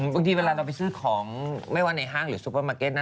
บางทีเวลาเราไปซื้อของไม่ว่าในห้างหรือซูเปอร์มาร์เก็ตนะ